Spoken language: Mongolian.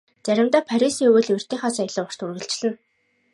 Заримдаа Парисын өвөл урьдынхаас илүү урт үргэлжилнэ.